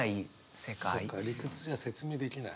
そっか理屈じゃ説明できない。